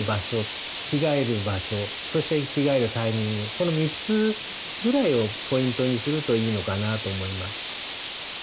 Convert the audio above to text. この３つぐらいをポイントにするといいのかなと思います。